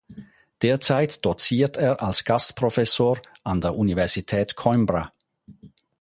Derzeit doziert er als Gastprofessor an der Universität Coimbra.